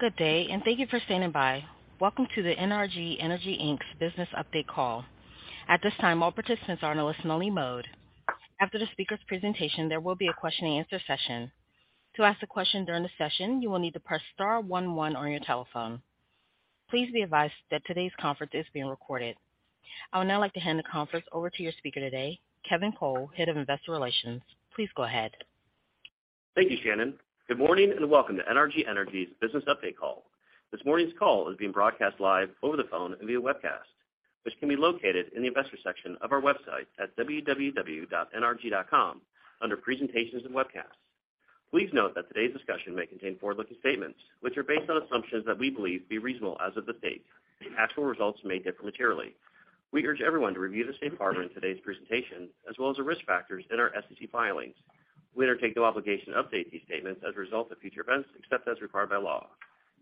Good day, and thank you for standing by. Welcome to the NRG Energy, Inc.'s business update call. At this time, all participants are in a listen only mode. After the speaker's presentation, there will be a question and answer session. To ask a question during the session, you will need to press star one one on your telephone. Please be advised that today's conference is being recorded. I would now like to hand the conference over to your speaker today, Kevin Cole, Head of Investor Relations. Please go ahead. Thank you, Shannon. Good morning, and welcome to NRG Energy's business update call. This morning's call is being broadcast live over the phone and via webcast, which can be located in the investor section of our website at www.nrg.com under presentations and webcasts. Please note that today's discussion may contain forward-looking statements, which are based on assumptions that we believe to be reasonable as of this date. Actual results may differ materially. We urge everyone to review the safe harbor in today's presentation, as well as the risk factors in our SEC filings. We undertake no obligation to update these statements as a result of future events, except as required by law.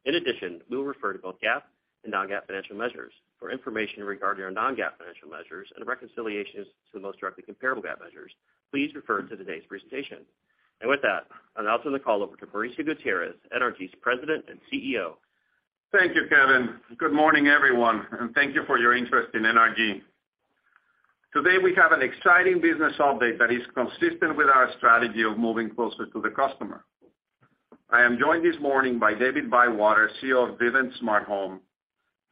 In addition, we will refer to both GAAP and non-GAAP financial measures. For information regarding our non-GAAP financial measures and reconciliations to the most directly comparable GAAP measures, please refer to today's presentation. With that, I'll now turn the call over to Mauricio Gutierrez, NRG's President and CEO. Thank you, Kevin. Good morning, everyone, and thank you for your interest in NRG. Today, we have an exciting business update that is consistent with our strategy of moving closer to the customer. I am joined this morning by David Bywater, CEO of Vivint Smart Home,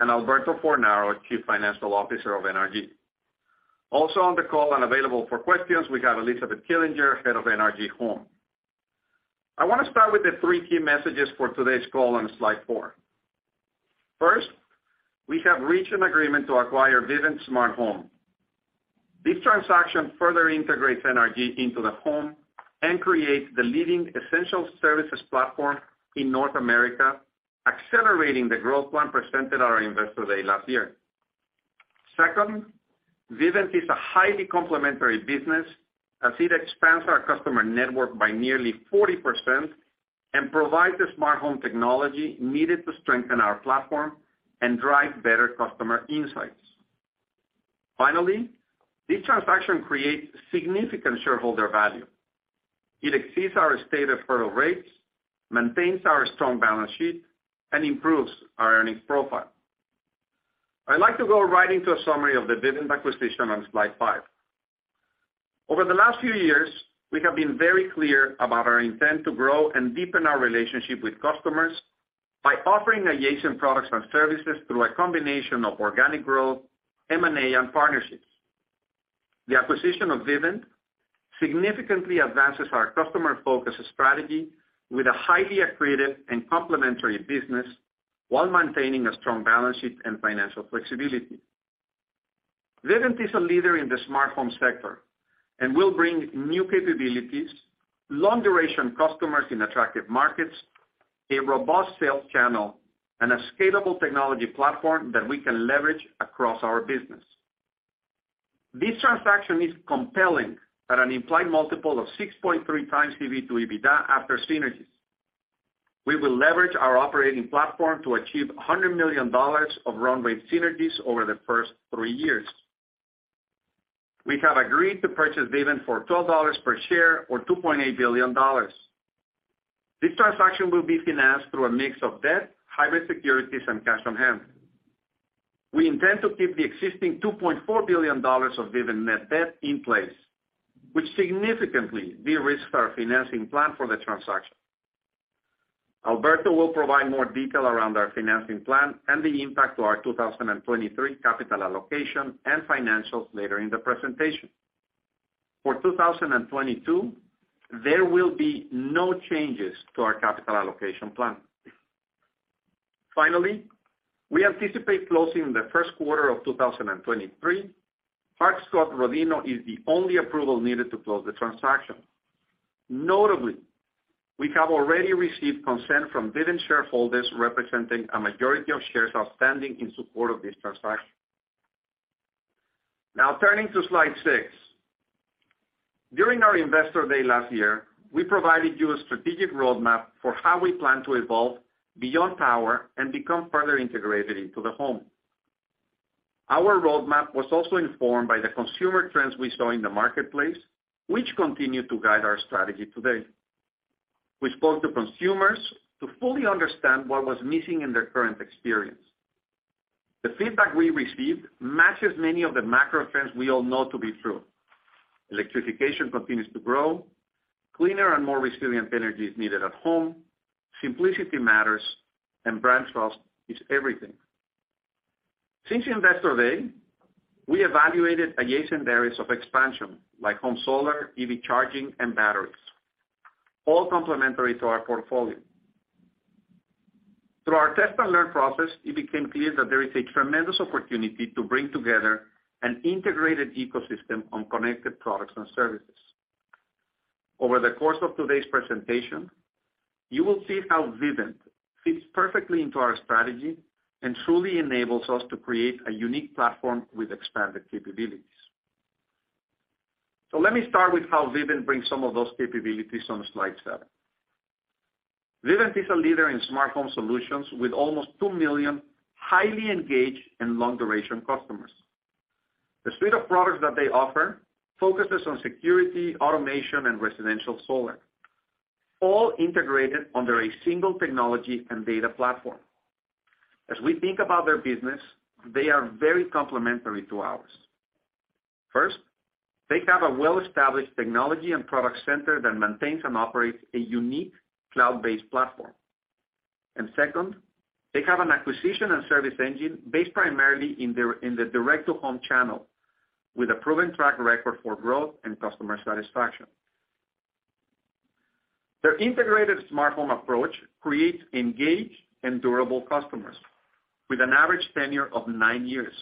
and Alberto Fornaro, Chief Financial Officer of NRG. Also on the call and available for questions, we have Elizabeth Killinger, Head of NRG Home. I wanna start with the three key messages for today's call on slide four. First, we have reached an agreement to acquire Vivint Smart Home. This transaction further integrates NRG into the home and creates the leading essential services platform in North America, accelerating the growth plan presented at our Investor Day last year. Second, Vivint is a highly complementary business as it expands our customer network by nearly 40% and provides the smart home technology needed to strengthen our platform and drive better customer insights. This transaction creates significant shareholder value. It exceeds our stated hurdle rates, maintains our strong balance sheet, and improves our earnings profile. I'd like to go right into a summary of the Vivint acquisition on slide five. Over the last few years, we have been very clear about our intent to grow and deepen our relationship with customers by offering adjacent products and services through a combination of organic growth, M&A, and partnerships. The acquisition of Vivint significantly advances our customer focus strategy with a highly accretive and complementary business while maintaining a strong balance sheet and financial flexibility. Vivint is a leader in the smart home sector and will bring new capabilities, long-duration customers in attractive markets, a robust sales channel, and a scalable technology platform that we can leverage across our business. This transaction is compelling at an implied multiple of 6.3x EV to EBITDA after synergies. We will leverage our operating platform to achieve $100 million of run rate synergies over the first three years. We have agreed to purchase Vivint for $12 per share or $2.8 billion. This transaction will be financed through a mix of debt, hybrid securities, and cash-on-hand. We intend to keep the existing $2.4 billion of Vivint net debt in place, which significantly de-risks our financing plan for the transaction. Alberto will provide more detail around our financing plan and the impact to our 2023 capital allocation and financials later in the presentation. For 2022, there will be no changes to our capital allocation plan. We anticipate closing in the first quarter of 2023. Hart-Scott-Rodino is the only approval needed to close the transaction. Notably, we have already received consent from Vivint shareholders representing a majority of shares outstanding in support of this transaction. Turning to slide six. During our Investor Day last year, we provided you a strategic roadmap for how we plan to evolve beyond power and become further integrated into the home. Our roadmap was also informed by the consumer trends we saw in the marketplace, which continue to guide our strategy today. We spoke to consumers to fully understand what was missing in their current experience. The feedback we received matches many of the macro trends we all know to be true. Electrification continues to grow. Cleaner and more resilient energy is needed at home. Simplicity matters, and brand trust is everything. Since Investor Day, we evaluated adjacent areas of expansion like home solar, EV charging, and batteries, all complementary to our portfolio. Through our test and learn process, it became clear that there is a tremendous opportunity to bring together an integrated ecosystem on connected products and services. Over the course of today's presentation, you will see how Vivint fits perfectly into our strategy and truly enables us to create a unique platform with expanded capabilities. Let me start with how Vivint brings some of those capabilities on slide seven. Vivint is a leader in smart home solutions with almost 2 million highly engaged and long-duration customers. The suite of products that they offer focuses on security, automation, and residential solar, all integrated under a single technology and data platform. As we think about their business, they are very complementary to ours. First, they have a well-established technology and product center that maintains and operates a unique cloud-based platform. Second, they have an acquisition and service engine based primarily in the direct-to-home channel with a proven track record for growth and customer satisfaction. Their integrated smart home approach creates engaged and durable customers with an average tenure of nine years,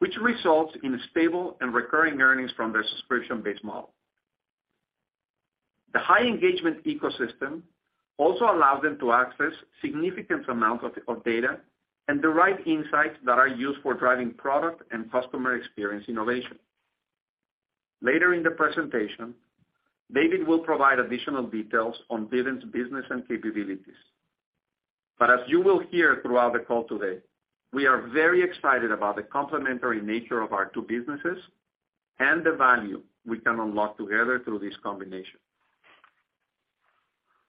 which results in stable and recurring earnings from their subscription-based model. The high engagement ecosystem also allows them to access significant amounts of data and the right insights that are used for driving product and customer experience innovation. Later in the presentation, David will provide additional details on Vivint's business and capabilities. As you will hear throughout the call today, we are very excited about the complementary nature of our two businesses and the value we can unlock together through this combination.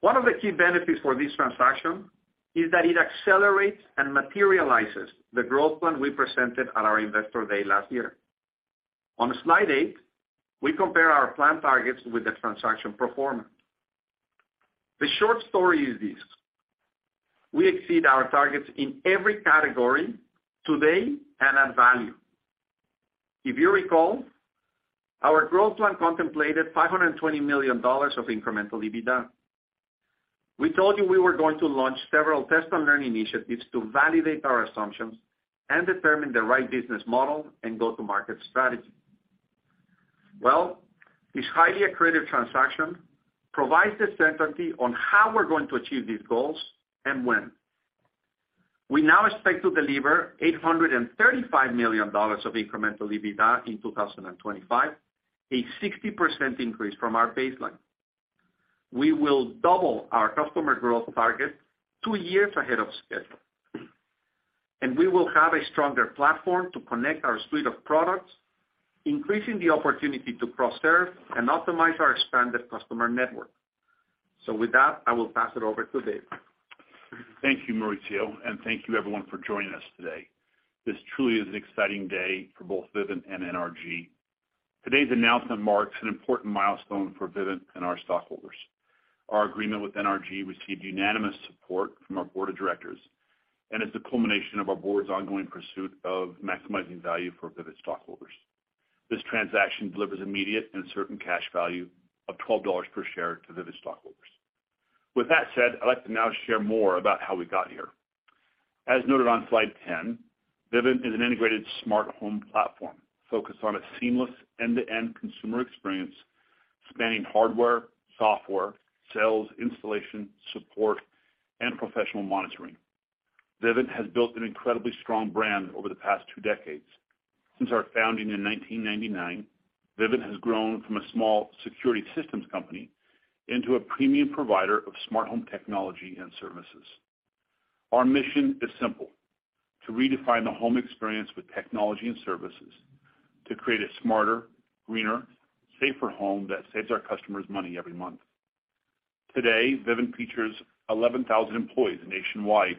One of the key benefits for this transaction is that it accelerates and materializes the growth plan we presented at our Investor Day last year. On slide eight, we compare our planned targets with the transaction performance. The short story is this: We exceed our targets in every category today and at value. If you recall, our growth plan contemplated $520 million of incremental EBITDA. We told you we were going to launch several test and learn initiatives to validate our assumptions and determine the right business model and go-to-market strategy. Well, this highly accretive transaction provides the certainty on how we're going to achieve these goals and when. We now expect to deliver $835 million of incremental EBITDA in 2025, a 60% increase from our baseline. We will double our customer growth target two years ahead of schedule. We will have a stronger platform to connect our suite of products, increasing the opportunity to cross-serve and optimize our expanded customer network. With that, I will pass it over to David. Thank you, Mauricio. Thank you everyone for joining us today. This truly is an exciting day for both Vivint and NRG. Today's announcement marks an important milestone for Vivint and our stockholders. Our agreement with NRG received unanimous support from our board of directors and is the culmination of our board's ongoing pursuit of maximizing value for Vivint stockholders. This transaction delivers immediate and certain cash value of $12 per share to Vivint stockholders. With that said, I'd like to now share more about how we got here. As noted on slide 10, Vivint is an integrated smart home platform focused on a seamless end-to-end consumer experience spanning hardware, software, sales, installation, support, and professional monitoring. Vivint has built an incredibly strong brand over the past two decades. Since our founding in 1999, Vivint has grown from a small security systems company into a premium provider of smart home technology and services. Our mission is simple: to redefine the home experience with technology and services, to create a smarter, greener, safer home that saves our customers money every month. Today, Vivint features 11,000 employees nationwide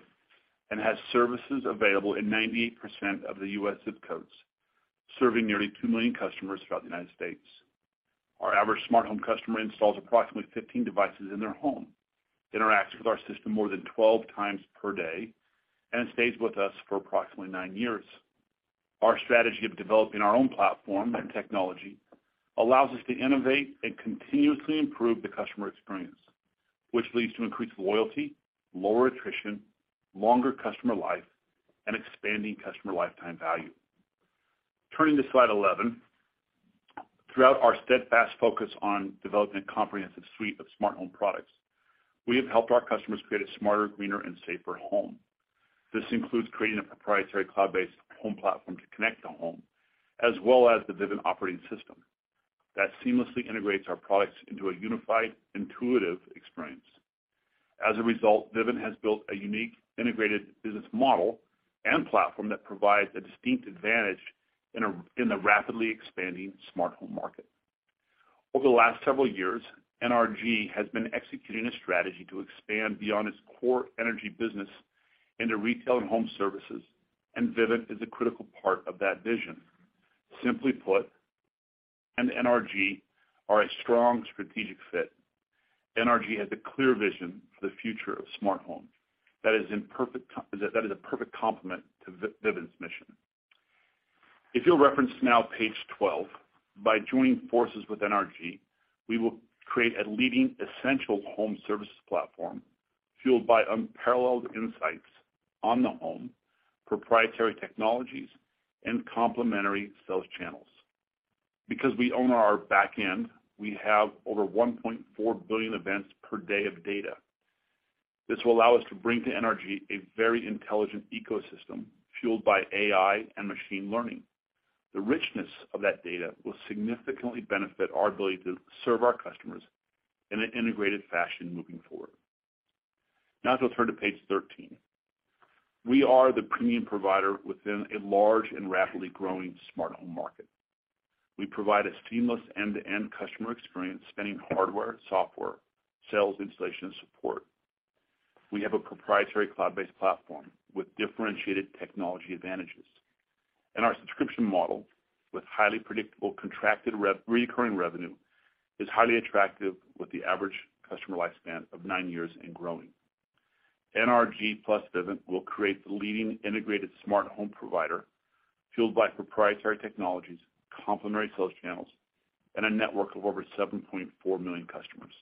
and has services available in 98% of the U.S. ZIP codes, serving nearly 2 million customers throughout the United States. Our average smart home customer installs approximately 15 devices in their home, interacts with our system more than 12x per day, and stays with us for approximately nine years. Our strategy of developing our own platform and technology allows us to innovate and continuously improve the customer experience, which leads to increased loyalty, lower attrition, longer customer life, and expanding customer lifetime value. Turning to slide 11, throughout our steadfast focus on developing a comprehensive suite of smart home products, we have helped our customers create a smarter, greener, and safer home. This includes creating a proprietary cloud-based home platform to connect the home, as well as the Vivint operating system that seamlessly integrates our products into a unified, intuitive experience. As a result, Vivint has built a unique integrated business model and platform that provides a distinct advantage in the rapidly expanding smart home market. Over the last several years, NRG has been executing a strategy to expand beyond its core energy business into retail and home services, and Vivint is a critical part of that vision. Simply put, NRG are a strong strategic fit. NRG has a clear vision for the future of smart home that is a perfect complement to Vivint's mission. If you'll reference now page 12, by joining forces with NRG, we will create a leading essential home services platform fueled by unparalleled insights on the home, proprietary technologies, and complementary sales channels. Because we own our back end, we have over 1.4 billion events per day of data. This will allow us to bring to NRG a very intelligent ecosystem fueled by AI and machine learning. The richness of that data will significantly benefit our ability to serve our customers in an integrated fashion moving forward. Now to turn to page 13. We are the premium provider within a large and rapidly growing smart home market. We provide a seamless end-to-end customer experience spanning hardware, software, sales, installation, and support. We have a proprietary cloud-based platform with differentiated technology advantages. Our subscription model, with highly predictable contracted recurring revenue, is highly attractive with the average customer lifespan of nine years and growing. NRG plus Vivint will create the leading integrated smart home provider fueled by proprietary technologies, complementary sales channels, and a network of over 7.4 million customers.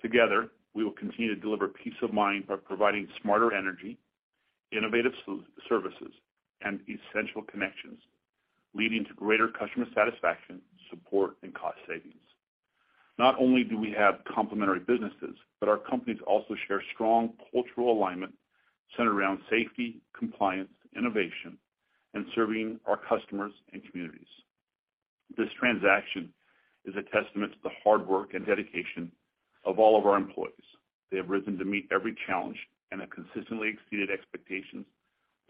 Together, we will continue to deliver peace of mind by providing smarter energy, innovative services, and essential connections, leading to greater customer satisfaction, support, and cost savings. Not only do we have complementary businesses, but our companies also share strong cultural alignment centered around safety, compliance, innovation, and serving our customers and communities. This transaction is a testament to the hard work and dedication of all of our employees. They have risen to meet every challenge and have consistently exceeded expectations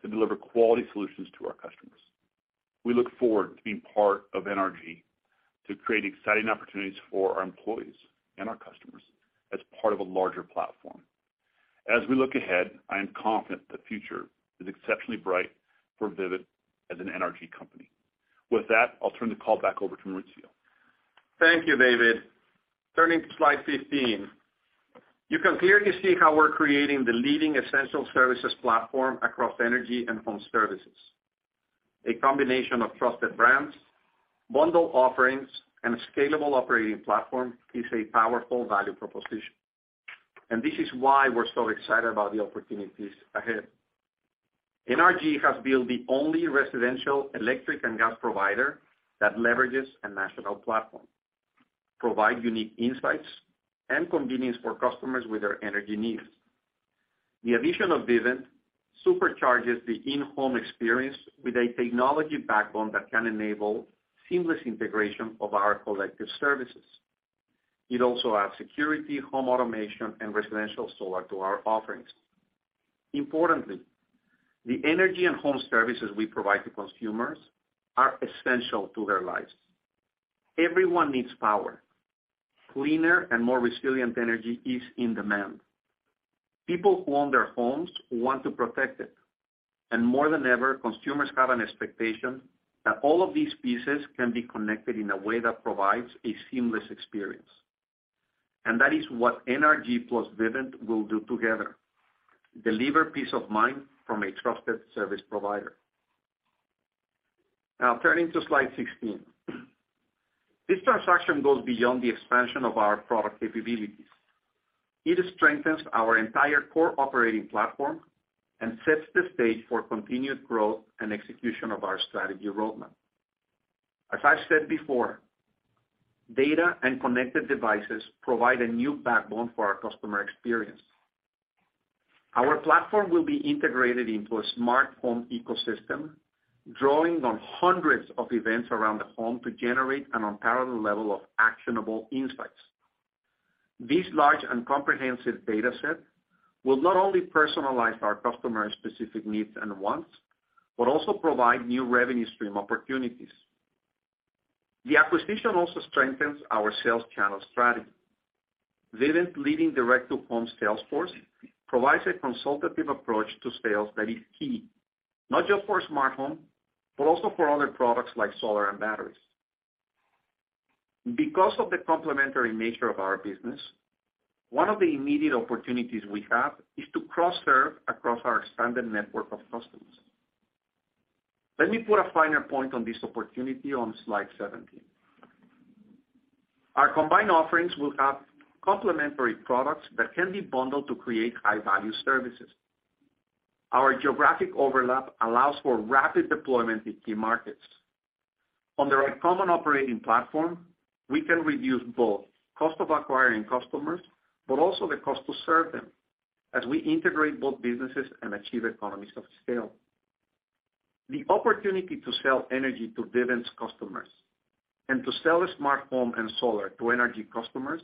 to deliver quality solutions to our customers. We look forward to being part of NRG to create exciting opportunities for our employees and our customers as part of a larger platform. As we look ahead, I am confident the future is exceptionally bright for Vivint as an NRG company. With that, I'll turn the call back over to Mauricio. Thank you, David. Turning to slide 15. You can clearly see how we're creating the leading essential services platform across energy and home services. A combination of trusted brands, bundle offerings, and a scalable operating platform is a powerful value proposition. This is why we're so excited about the opportunities ahead. NRG has built the only residential electric and gas provider that leverages a national platform, provide unique insights and convenience for customers with their energy needs. The addition of Vivint supercharges the in-home experience with a technology backbone that can enable seamless integration of our collective services. It also adds security, home automation, and residential solar to our offerings. Importantly, the energy and home services we provide to consumers are essential to their lives. Everyone needs power. Cleaner and more resilient energy is in demand. People who own their homes want to protect it, more than ever, consumers have an expectation that all of these pieces can be connected in a way that provides a seamless experience. That is what NRG plus Vivint will do together: deliver peace of mind from a trusted service provider. Turning to slide 16. This transaction goes beyond the expansion of our product capabilities. It strengthens our entire core operating platform and sets the stage for continued growth and execution of our strategy roadmap. As I've said before, data and connected devices provide a new backbone for our customer experience. Our platform will be integrated into a smartphone ecosystem, drawing on hundreds of events around the home to generate an unparalleled level of actionable insights. This large and comprehensive data set will not only personalize our customers' specific needs and wants, but also provide new revenue stream opportunities. The acquisition also strengthens our sales channel strategy. Vivint leading direct-to-home sales force provides a consultative approach to sales that is key, not just for smartphone, but also for other products like solar and batteries. Because of the complementary nature of our business, one of the immediate opportunities we have is to cross-serve across our expanded network of customers. Let me put a finer point on this opportunity on slide 17. Our combined offerings will have complementary products that can be bundled to create high-value services. Our geographic overlap allows for rapid deployment in key markets. Under a common operating platform, we can reduce both cost of acquiring customers, but also the cost to serve them as we integrate both businesses and achieve economies of scale. The opportunity to sell energy to Vivint's customers and to sell a smartphone and solar to NRG customers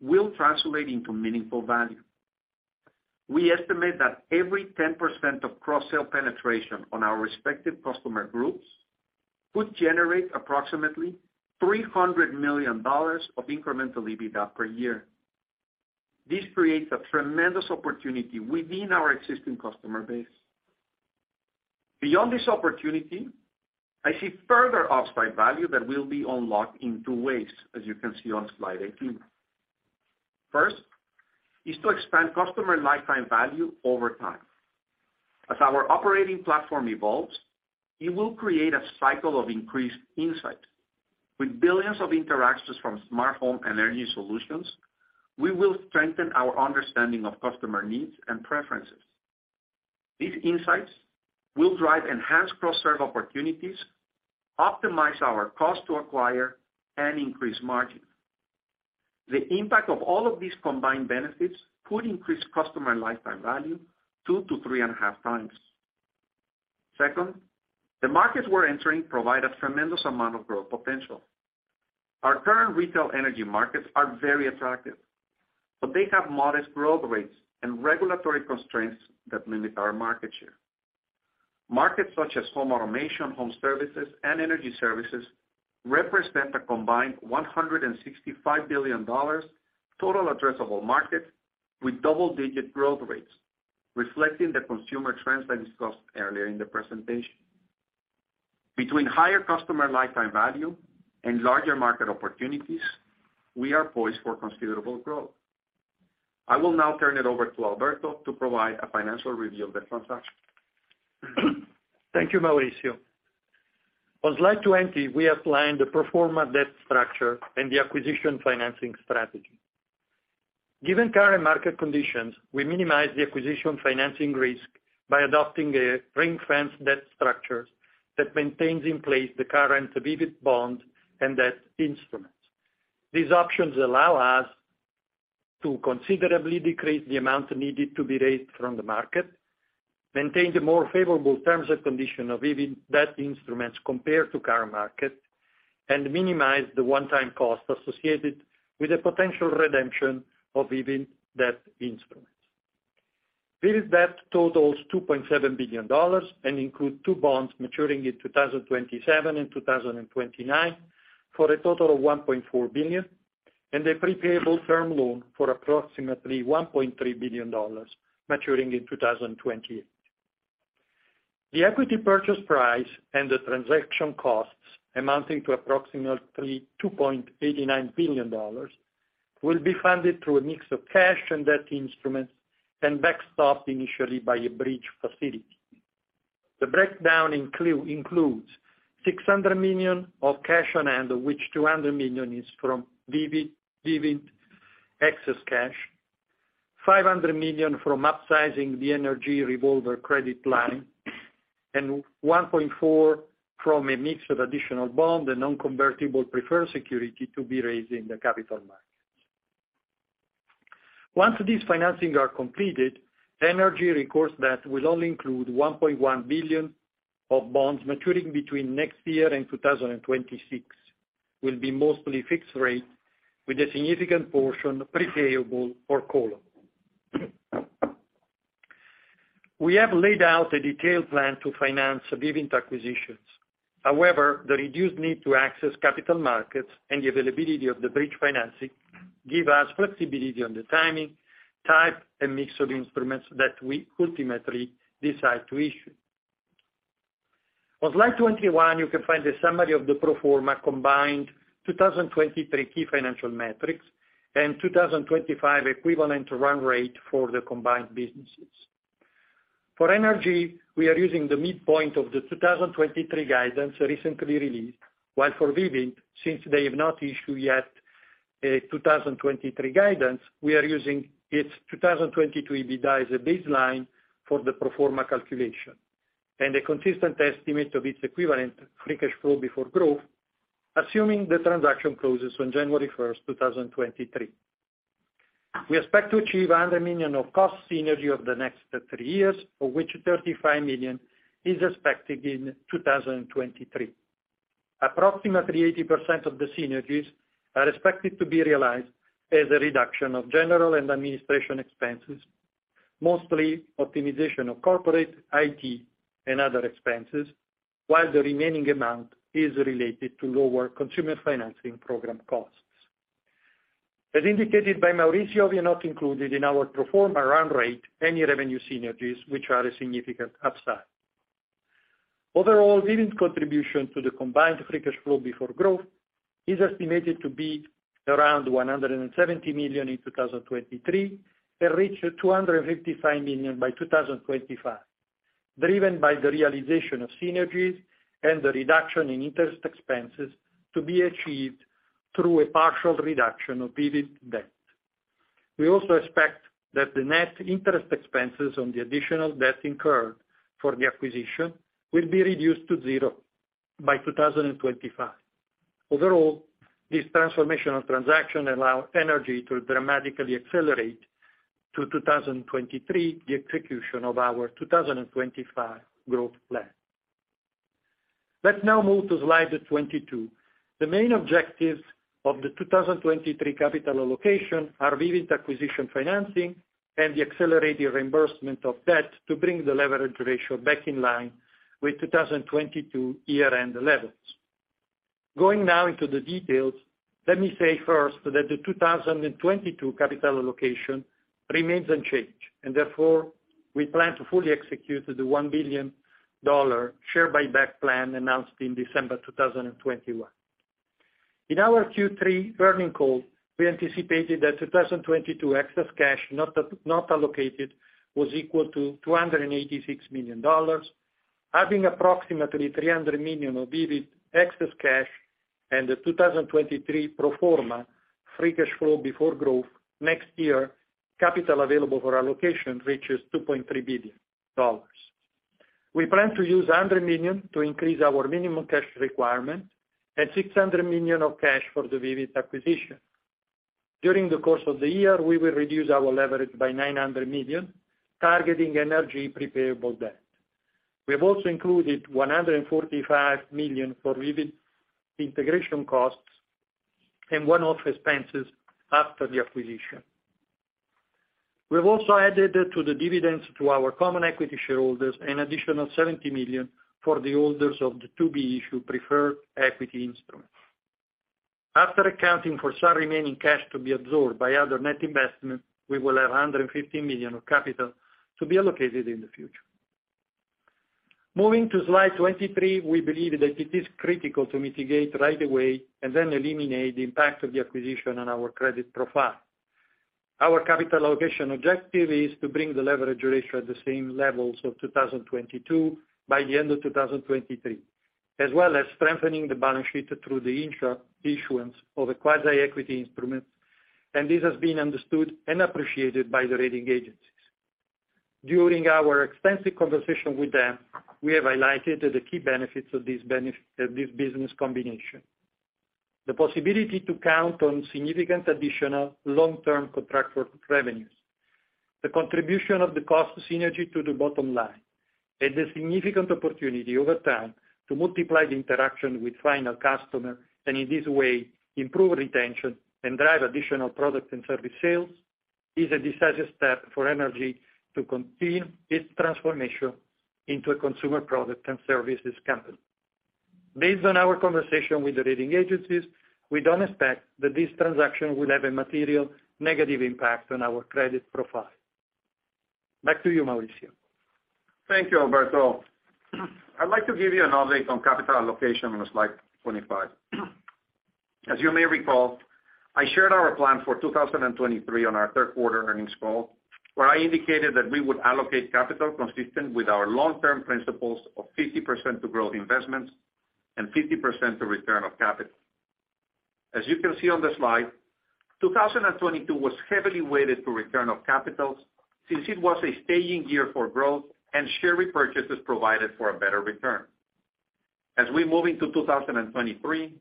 will translate into meaningful value. We estimate that every 10% of cross-sell penetration on our respective customer groups could generate approximately $300 million of incremental EBITDA per year. This creates a tremendous opportunity within our existing customer base. Beyond this opportunity, I see further upside value that will be unlocked in two ways, as you can see on slide 18. First is to expand customer lifetime value over time. As our operating platform evolves, it will create a cycle of increased insight. With billions of interactions from smartphone and energy solutions, we will strengthen our understanding of customer needs and preferences. These insights will drive enhanced cross-serve opportunities, optimize our cost to acquire, and increase margin. The impact of all of these combined benefits could increase customer lifetime value 2x-3.5x. Second, the markets we're entering provide a tremendous amount of growth potential. Our current retail energy markets are very attractive, but they have modest growth rates and regulatory constraints that limit our market share. Markets such as home automation, home services, and energy services represent a combined $165 billion total addressable market with double-digit growth rates, reflecting the consumer trends I discussed earlier in the presentation. Between higher customer lifetime value and larger market opportunities, we are poised for considerable growth. I will now turn it over to Alberto to provide a financial review of the transaction. Thank you, Mauricio. On slide 20, we outlined the pro forma debt structure and the acquisition financing strategy. Given current market conditions, we minimize the acquisition financing risk by adopting a ring-fenced debt structure that maintains in place the current Vivint bond and debt instruments. These options allow us to considerably decrease the amount needed to be raised from the market, maintain the more favorable terms and condition of Vivint debt instruments compared to current market, and minimize the one-time cost associated with the potential redemption of Vivint debt instruments. Vivint's debt totals $2.7 billion and include two bonds maturing in 2027 and 2029 for a total of $1.4 billion, and a pre-payable term loan for approximately $1.3 billion maturing in 2028. The equity purchase price and the transaction costs amounting to approximately $2.89 billion will be funded through a mix of cash and debt instruments and backstopped initially by a bridge facility. The breakdown includes $600 million of cash-on-hand, which $200 million is from Vivint excess cash, $500 million from upsizing the NRG revolver credit line, and $1.4 billion from a mix of additional bond and non-convertible preferred security to be raised in the capital markets. Once these financing are completed, NRG recourse debt will only include $1.1 billion of bonds maturing between next year and 2026, will be mostly fixed rate with a significant portion pre-payable for column. We have laid out a detailed plan to finance Vivint acquisitions. However, the reduced need to access capital markets and the availability of the bridge facility give us flexibility on the timing, type, and mix of instruments that we ultimately decide to issue. On slide 21, you can find a summary of the pro forma combined 2023 key financial metrics and 2025 equivalent run rate for the combined businesses. For NRG, we are using the midpoint of the 2023 guidance recently released, while for Vivint, since they have not issued yet a 2023 guidance, we are using its 2022 EBITDA as a baseline for the pro forma calculation, and a consistent estimate of its equivalent free cash flow before growth, assuming the transaction closes on January 1st, 2023. We expect to achieve $100 million of cost synergy over the next three years, of which $35 million is expected in 2023. Approximately 80% of the synergies are expected to be realized as a reduction of general and administration expenses, mostly optimization of corporate, IT, and other expenses, while the remaining amount is related to lower consumer financing program costs. As indicated by Mauricio, we have not included in our pro forma run rate any revenue synergies which are a significant upside. Overall, Vivint's contribution to the combined free cash flow before growth is estimated to be around $170 million in 2023, and reach $255 million by 2025, driven by the realization of synergies and the reduction in interest expenses to be achieved through a partial reduction of Vivint debt. We also expect that the net interest expenses on the additional debt incurred for the acquisition will be reduced to zero by 2025. Overall, this transformational transaction allow NRG to dramatically accelerate to 2023 the execution of our 2025 growth plan. Let's now move to slide 22. The main objectives of the 2023 capital allocation are Vivint acquisition financing and the accelerated reimbursement of debt to bring the leverage ratio back in line with 2022 year-end levels. Going now into the details, let me say first that the 2022 capital allocation remains unchanged, therefore, we plan to fully execute the $1 billion share buyback plan announced in December 2021. In our Q3 earnings call, we anticipated that 2022 excess cash not allocated was equal to $286 million. Having approximately $300 million of Vivint excess cash and the 2023 pro forma free cash flow before growth, next year, capital available for allocation reaches $2.3 billion. We plan to use $100 million to increase our minimum cash requirement and $600 million of cash for the Vivint acquisition. During the course of the year, we will reduce our leverage by $900 million, targeting NRG pre-payable debt. We have also included $145 million for Vivint integration costs and one-off expenses after the acquisition. We have also added to the dividends to our common equity shareholders an additional $70 million for the holders of the to-be-issued preferred equity instruments. After accounting for some remaining cash to be absorbed by other net investment, we will have $150 million of capital to be allocated in the future. Moving to slide 23, we believe that it is critical to mitigate right away and then eliminate the impact of the acquisition on our credit profile. Our capital allocation objective is to bring the leverage ratio at the same levels of 2022 by the end of 2023, as well as strengthening the balance sheet through the intra issuance of a quasi-equity instrument. This has been understood and appreciated by the rating agencies. During our extensive conversation with them, we have highlighted the key benefits of this business combination. The possibility to count on significant additional long-term contractual revenues, the contribution of the cost synergy to the bottom line, and the significant opportunity over time to multiply the interaction with final customer, and in this way, improve retention and drive additional product and service sales, is a decisive step for NRG to continue its transformation into a consumer product and services company. Based on our conversation with the rating agencies, we don't expect that this transaction will have a material negative impact on our credit profile. Back to you, Mauricio. Thank you, Alberto. I'd like to give you an update on capital allocation on slide 25. As you may recall, I shared our plan for 2023 on our third quarter earnings call, where I indicated that we would allocate capital consistent with our long-term principles of 50% to growth investments and 50% to return of capital. As you can see on the slide, 2022 was heavily weighted to return of capitals since it was a staying year for growth, and share repurchases provided for a better return. As we move into 2023,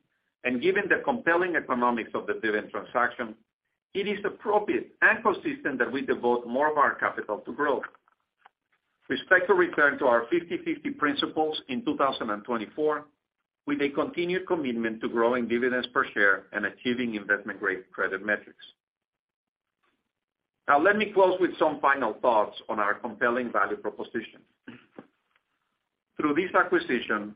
and given the compelling economics of the Vivint transaction, it is appropriate and consistent that we devote more of our capital to growth. Respect to return to our 50/50 principles in 2024, with a continued commitment to growing dividends per share and achieving investment grade credit metrics. Let me close with some final thoughts on our compelling value proposition. Through this acquisition,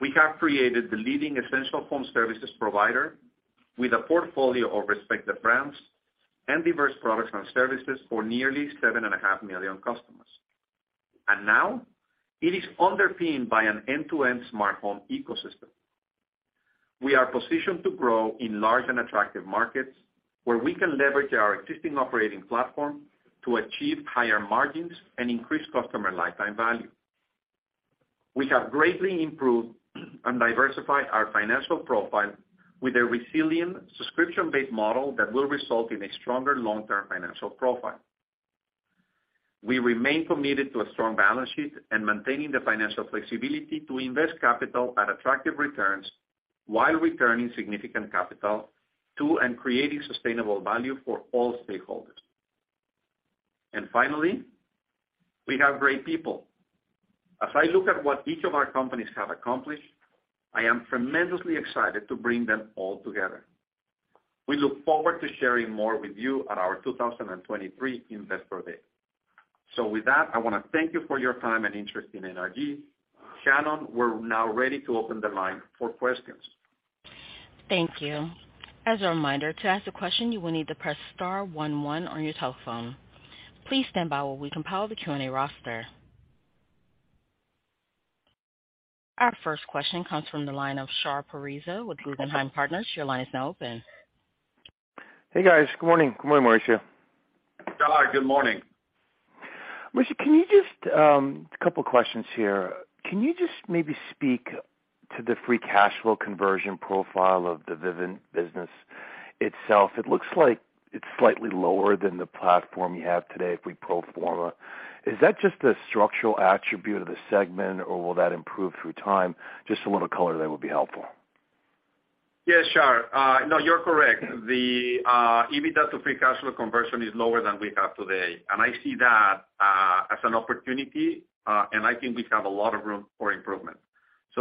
we have created the leading essential home services provider with a portfolio of respected brands and diverse products and services for nearly 7.5 million customers. It is underpinned by an end-to-end smartphone ecosystem. We are positioned to grow in large and attractive markets, where we can leverage our existing operating platform to achieve higher margins and increase customer lifetime value. We have greatly improved and diversified our financial profile with a resilient subscription-based model that will result in a stronger long-term financial profile. We remain committed to a strong balance sheet and maintaining the financial flexibility to invest capital at attractive returns, while returning significant capital to, and creating sustainable value for all stakeholders. Finally, we have great people. As I look at what each of our companies have accomplished, I am tremendously excited to bring them all together. We look forward to sharing more with you at our 2023 Investor Day. With that, I wanna thank you for your time and interest in NRG. Shannon, we're now ready to open the line for questions. Thank you. As a reminder, to ask a question, you will need to press star one one on your telephone. Please stand by while we compile the Q&A roster. Our first question comes from the line of Shar Pourreza with Guggenheim Partners. Your line is now open. Hey, guys. Good morning. Good morning, Mauricio. Shar, good morning. Mauricio, can you just, couple questions here. Can you just maybe speak to the free cash flow conversion profile of the Vivint business itself? It looks like it's slightly lower than the platform you have today if we pro forma. Is that just a structural attribute of the segment, or will that improve through time? Just a little color there would be helpful. Yeah, Shar. No, you're correct. The EBITDA to free cash flow conversion is lower than we have today, and I see that as an opportunity, and I think we have a lot of room for improvement.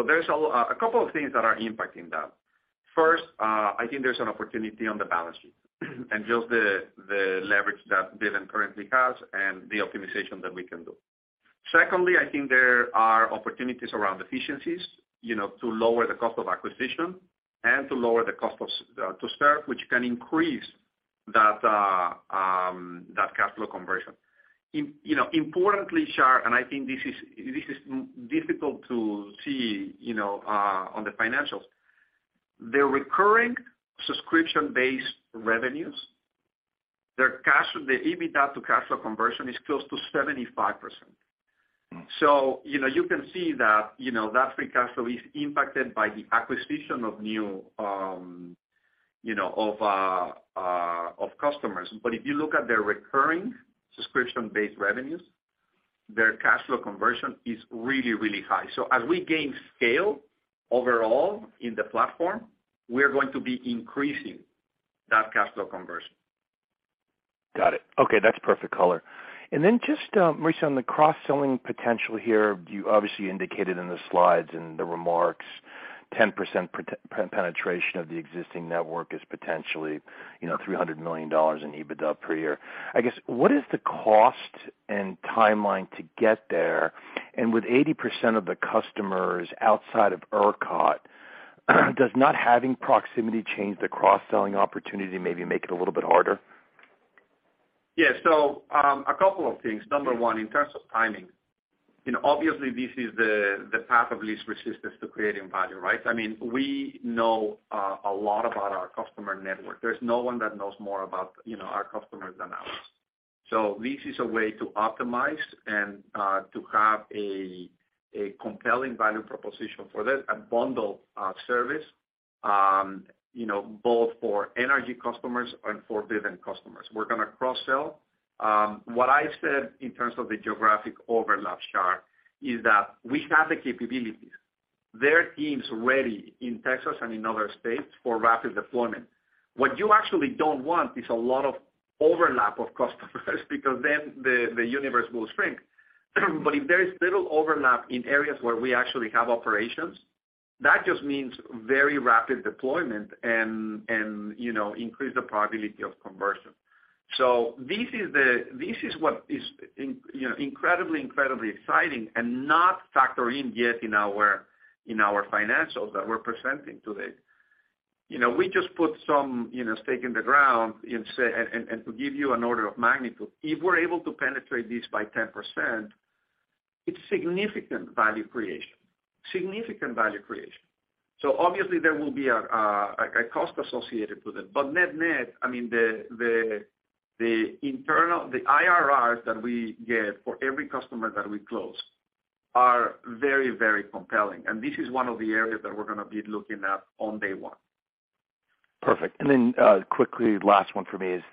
There's a couple of things that are impacting that. First, I think there's an opportunity on the balance sheet, and just the leverage that Vivint currently has and the optimization that we can do. Secondly, I think there are opportunities around efficiencies, you know, to lower the cost of acquisition and to lower the cost to serve, which can increase that cash flow conversion. Importantly, you know, Shar, and I think this is difficult to see, you know, on the financials. The recurring subscription-based revenues, their cash, the EBITDA to cash flow conversion is close to 75%. You know, you can see that, you know, that free cash flow is impacted by the acquisition of new customers. If you look at their recurring subscription-based revenues. Their cash flow conversion is really, really high. As we gain scale overall in the platform, we are going to be increasing that cash flow conversion. Got it. Okay, that's perfect color. Then just, Mauricio, on the cross-selling potential here, you obviously indicated in the slides and the remarks 10% penetration of the existing network is potentially, you know, $300 million in EBITDA per year. I guess, what is the cost and timeline to get there? With 80% of the customers outside of ERCOT, does not having proximity change the cross-selling opportunity, maybe make it a little bit harder? A couple of things. Number one, in terms of timing, you know, obviously this is the path of least resistance to creating value, right? I mean, we know a lot about our customer network. There's no one that knows more about, you know, our customers than us. This is a way to optimize and to have a compelling value proposition for this, a bundle service, you know, both for energy customers and for Vivint customers. We're gonna cross-sell. What I said in terms of the geographic overlap, Shar, is that we have the capabilities. Their team's ready in Texas and in other states for rapid deployment. What you actually don't want is a lot of overlap of customers because then the universe will shrink. If there is little overlap in areas where we actually have operations, that just means very rapid deployment and, you know, increase the probability of conversion. This is what is, you know, incredibly exciting and not factor in yet in our financials that we're presenting today. You know, we just put some, you know, stake in the ground and say, and to give you an order of magnitude, if we're able to penetrate this by 10%, it's significant value creation. Significant value creation. Obviously there will be a cost associated to that. Net-net, I mean, the internal IRRs that we get for every customer that we close are very, very compelling. This is one of the areas that we're gonna be looking at on day one. Perfect. Quickly, last one for me is,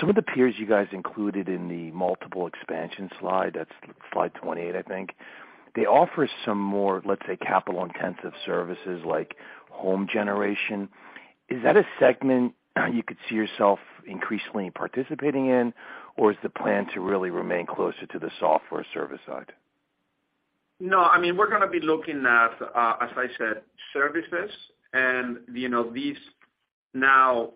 some of the peers you guys included in the multiple expansion slide, that's slide 28, I think, they offer some more, let's say, capital-intensive services like home generation. Is that a segment you could see yourself increasingly participating in, or is the plan to really remain closer to the software service side? No. I mean, we're gonna be looking at, as I said, services and, you know, these now,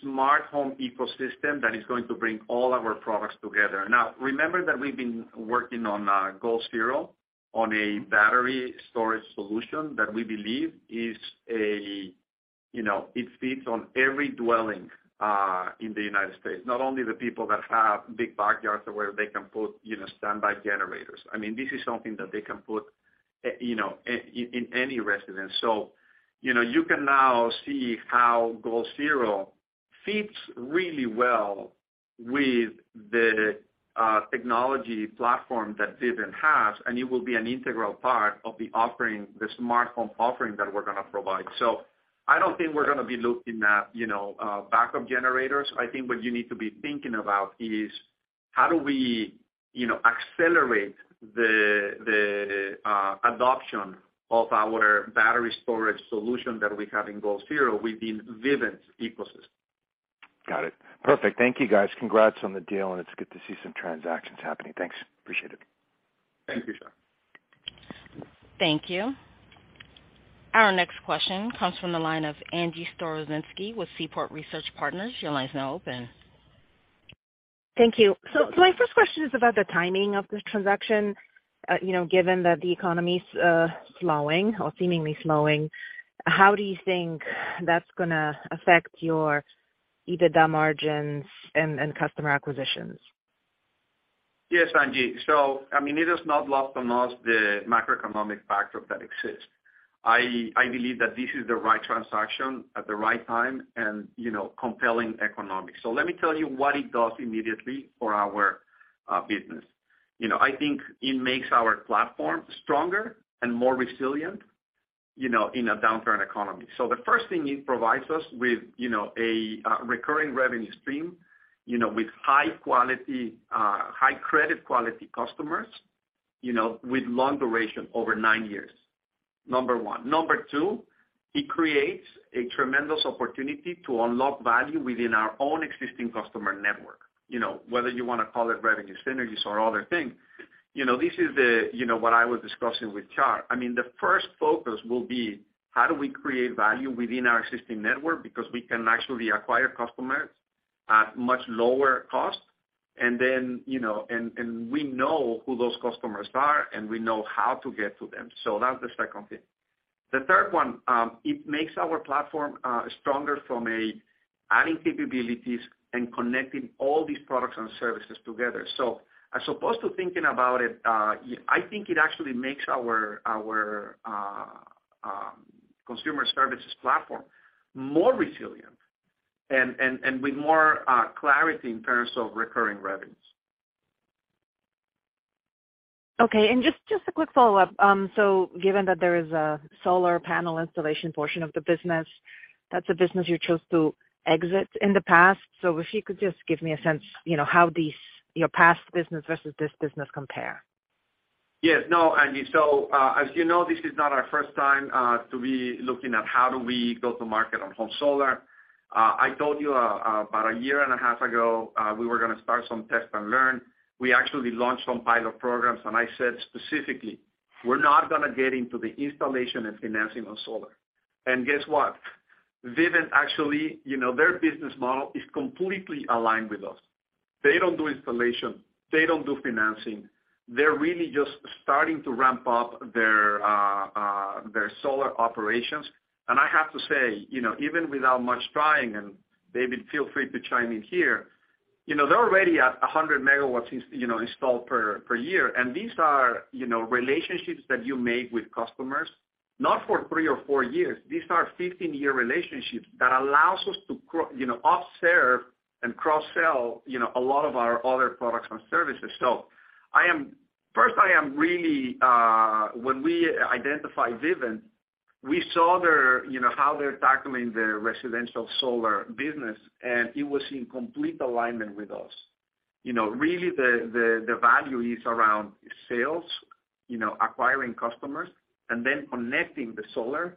smart home ecosystem that is going to bring all our products together. Now, remember that we've been working on Goal Zero on a battery storage solution that we believe is a, you know, it fits on every dwelling in the United States, not only the people that have big backyards where they can put, you know, standby generators. I mean, this is something that they can put, you know, in, in any residence. You know, you can now see how Goal Zero fits really well with the technology platform that Vivint has, and it will be an integral part of the offering, the smartphone offering that we're gonna provide. I don't think we're gonna be looking at, you know, backup generators. I think what you need to be thinking about is how do we, you know, accelerate the adoption of our battery storage solution that we have in Goal Zero within Vivint's ecosystem. Got it. Perfect. Thank you guys. Congrats on the deal. It's good to see some transactions happening. Thanks. Appreciate it. Thank you, Shar. Thank you. Our next question comes from the line of Angie Storozynski with Seaport Research Partners. Your line is now open. Thank you. My first question is about the timing of the transaction. You know, given that the economy's slowing or seemingly slowing, how do you think that's gonna affect your EBITDA margins and customer acquisitions? Yes, Angie. I mean, it is not lost on us the macroeconomic factor that exists. I believe that this is the right transaction at the right time and, you know, compelling economics. Let me tell you what it does immediately for our business. You know, I think it makes our platform stronger and more resilient, you know, in a downturn economy. The first thing it provides us with, you know, a recurring revenue stream, you know, with high quality, high credit quality customers, you know, with long duration over nine years, Number one. Number two, it creates a tremendous opportunity to unlock value within our own existing customer network. You know, whether you wanna call it revenue synergies or other things, you know, this is the, you know, what I was discussing with Shar. I mean, the first focus will be how do we create value within our existing network because we can actually acquire customers at much lower cost and then, you know, and we know who those customers are, and we know how to get to them. That's the second thing. The third one, it makes our platform stronger from a adding capabilities and connecting all these products and services together. As opposed to thinking about it, I think it actually makes our consumer services platform more resilient and with more clarity in terms of recurring revenues. Okay. Just a quick follow-up. Given that there is a solar panel installation portion of the business, that's a business you chose to exit in the past. If you could just give me a sense, you know, how these, your past business versus this business compare. Yes. No, Angie. As you know, this is not our first time to be looking at how do we go to market on home solar. I told you about a year and a half ago, we were gonna start some test and learn. We actually launched some pilot programs, and I said, specifically, we're not gonna get into the installation and financing on solar. Guess what? Vivint actually, you know, their business model is completely aligned with us. They don't do installation. They don't do financing. They're really just starting to ramp up their solar operations. I have to say, you know, even without much trying, and David, feel free to chime in here, you know, they're already at 100 MW installed per year. These are, you know, relationships that you make with customers, not for three or four years. These are 15-year relationships that allows us to, you know, up-serve and cross-sell, you know, a lot of our other products and services. First, I am really. When we identified Vivint, we saw their, you know, how they're tackling their residential solar business, and it was in complete alignment with us. You know, really the, the value is around sales, you know, acquiring customers and then connecting the solar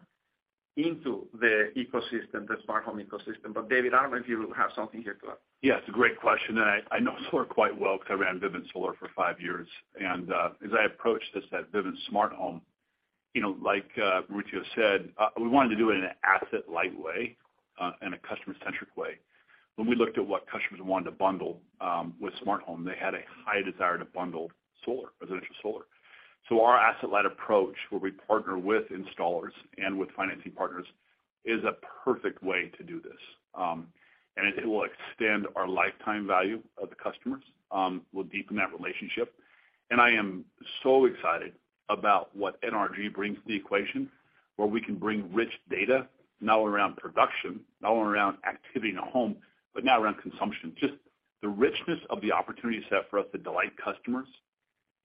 into the ecosystem, the smart home ecosystem. David, I don't know if you have something here to add. Yeah, it's a great question. I know solar quite well because I ran Vivint Solar for five years. As I approached this at Vivint Smart Home, you know, like Mauricio said, we wanted to do it in an asset light way and a customer-centric way. When we looked at what customers wanted to bundle with smart home, they had a high desire to bundle solar, residential solar. Our asset light approach, where we partner with installers and with financing partners, is a perfect way to do this. And it will extend our lifetime value of the customers, we'll deepen that relationship. I am so excited about what NRG brings to the equation, where we can bring rich data, not only around production, not only around activity in a home, but now around consumption. Just the richness of the opportunity set for us to delight customers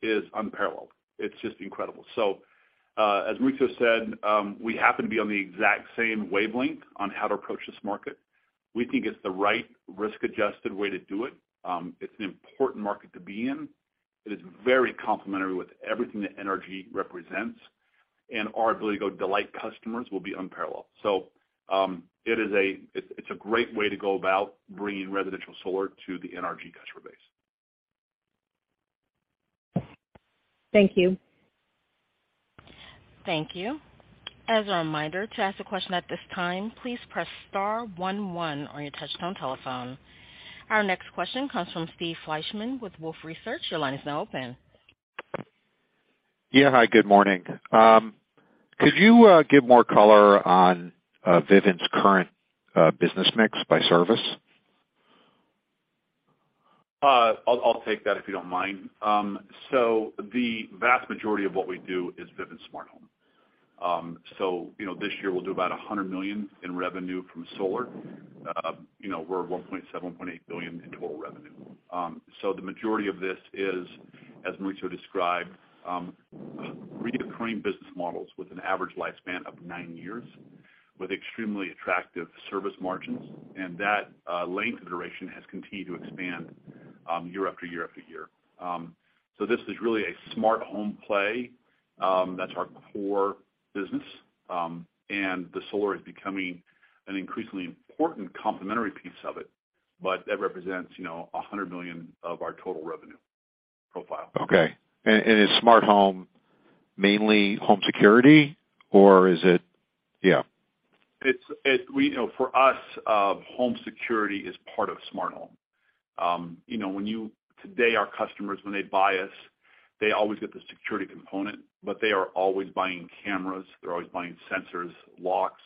is unparalleled. It's just incredible. As Mauricio said, we happen to be on the exact same wavelength on how to approach this market. We think it's the right risk-adjusted way to do it. It's an important market to be in. It is very complementary with everything that NRG represents, and our ability to delight customers will be unparalleled. It's a great way to go about bringing residential solar to the NRG customer base. Thank you. Thank you. As a reminder, to ask a question at this time, please press star one one on your touchtone telephone. Our next question comes from Steve Fleishman with Wolfe Research. Your line is now open. Yeah. Hi, good morning. Could you give more color on Vivint's current business mix by service? I'll take that, if you don't mind. So the vast majority of what we do is Vivint Smart Home. So, you know, this year we'll do about $100 million in revenue from solar. You know, we're at $1.7 billion-$1.8 billion in total revenue. So the majority of this is, as Mauricio described, reoccurring business models with an average lifespan of nine years, with extremely attractive service margins. And that length of duration has continued to expand, year after year after year. So this is really a smart home play, that's our core business. And the solar is becoming an increasingly important complementary piece of it, but that represents, you know, $100 million of our total revenue profile. Okay. Is smart home mainly home security, or is it? Yeah. It's, you know, for us, home security is part of smart home. you know, when Today, our customers, when they buy us, they always get the security component, but they are always buying cameras, they're always buying sensors, locks.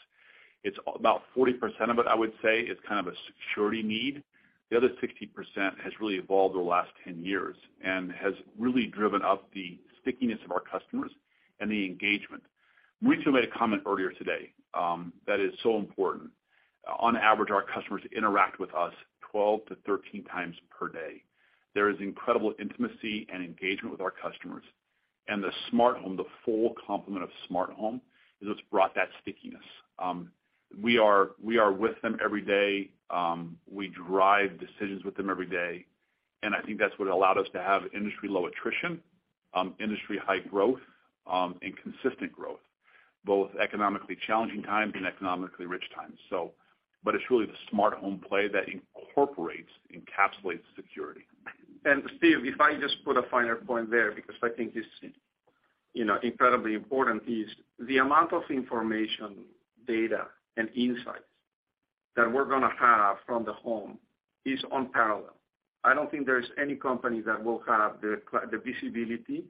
It's about 40% of it, I would say, is kind of a security need. The other 60% has really evolved over the last 10 years and has really driven up the stickiness of our customers and the engagement. Mauricio made a comment earlier today that is so important. On average, our customers interact with us 12-13 times per day. There is incredible intimacy and engagement with our customers. The smart home, the full complement of smart home, is what's brought that stickiness. we are with them every day. we derive decisions with them every day. I think that's what allowed us to have industry-low attrition, industry-high growth, and consistent growth, both economically challenging times and economically rich times. It's really the smart home play that incorporates, encapsulates security. Steve, if I just put a finer point there, because I think this is, you know, incredibly important, is the amount of information, data, and insights that we're gonna have from the home is unparalleled. I don't think there is any company that will have the visibility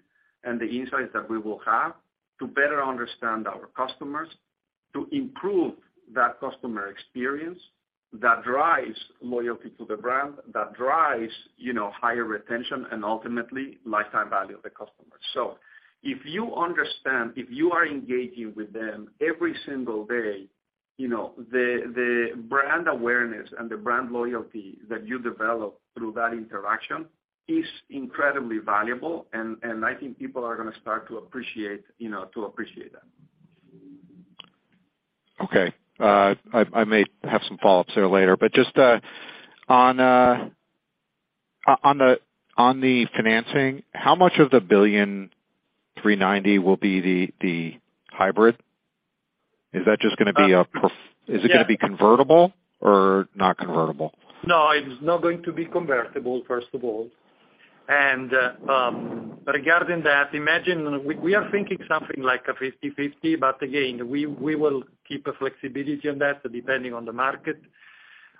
and the insights that we will have to better understand our customers, to improve that customer experience that drives loyalty to the brand, that drives, you know, higher retention and ultimately customer lifetime value of the customer. If you understand, if you are engaging with them every single day. You know, the brand awareness and the brand loyalty that you develop through that interaction is incredibly valuable, and I think people are gonna start to appreciate, you know, that. Okay. I may have some follow-ups there later. Just, on the financing, how much of the $1.39 billion will be the hybrid? Is that just gonna be a? Yeah. Is it gonna be convertible or not convertible? No, it's not going to be convertible, first of all. Regarding that, imagine we are thinking something like a 50/50, but again, we will keep a flexibility on that depending on the market,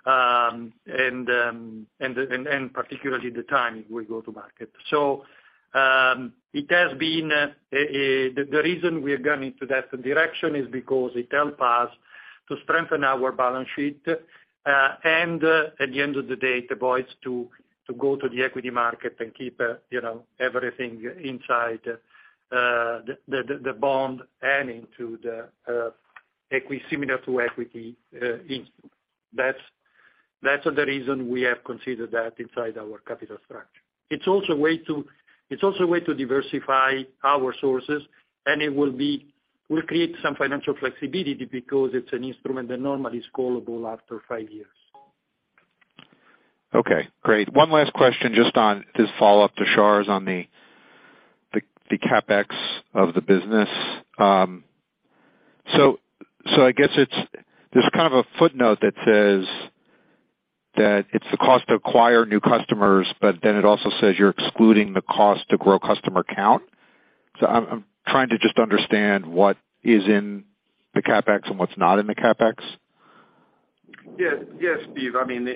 and particularly the timing we go to market. It has been the reason we have gone into that direction is because it help us to strengthen our balance sheet. At the end of the day, the voice to go to the equity market and keep, you know, everything inside, the bond and into the similar to equity instrument. That's the reason we have considered that inside our capital structure. It's also a way to diversify our sources, and it will create some financial flexibility because it's an instrument that normally is callable after five years. Okay, great. One last question, just on this follow-up to Shar's on the CapEx of the business. I guess there's kind of a footnote that says that it's the cost to acquire new customers, but then it also says you're excluding the cost to grow customer count. I'm trying to just understand what is in the CapEx and what's not in the CapEx. Yes, Steve. I mean,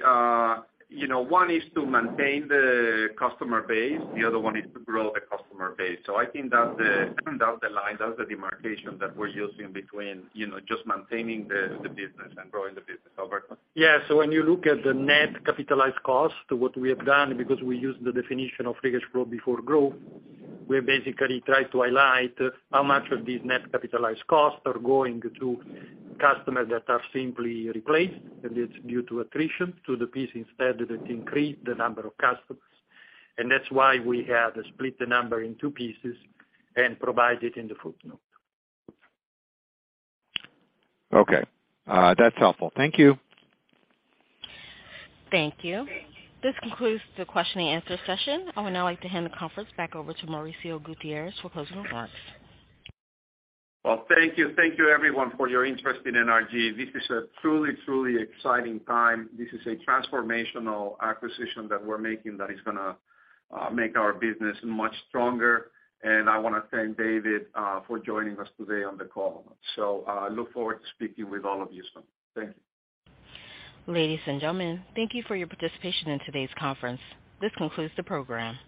you know, one is to maintain the customer base, the other one is to grow the customer base. I think that's the line, that's the demarcation that we're using between, you know, just maintaining the business and growing the business. Alberto? Yeah. When you look at the net capitalized cost, what we have done, because we use the definition of rigorous growth before growth, we basically try to highlight how much of these net capitalized costs are going to customers that are simply replaced, and it's due to attrition to the piece instead that increase the number of customers. That's why we have split the number in two pieces and provide it in the footnote. Okay. That's helpful. Thank you. Thank you. This concludes the question and answer session. I would now like to hand the conference back over to Mauricio Gutierrez for closing remarks. Well, thank you. Thank you everyone for your interest in NRG. This is a truly exciting time. This is a transformational acquisition that we're making that is gonna make our business much stronger. I wanna thank David for joining us today on the call. Look forward to speaking with all of you soon. Thank you. Ladies and gentlemen, thank you for your participation in today's conference. This concludes the program.